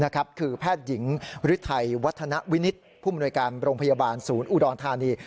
คือแพทย์หญิงฤทัยวัฒนวินิตผู้มนวยการโรงพยาบาลศูนย์อุดรธานี